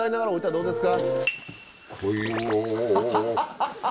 どうですか？